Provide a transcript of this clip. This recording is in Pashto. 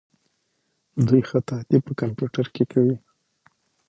دوی خطاطي په کمپیوټر کې کوي.